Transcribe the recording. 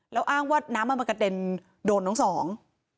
แล้วอ้างว่าน้ำมันมากระเด็นโดนทั้งสอง